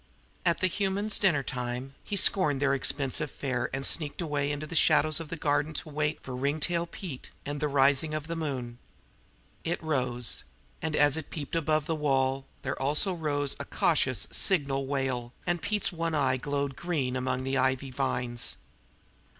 At the humans' dinner time he scorned their expensive fare and sneaked away into the shadows of the garden to wait for Ringtail Pete and the rising of the moon. It rose; and, as it peeped above the wall, there also rose a cautious signal wail, and Pete's one eye glowed green among the ivy vines.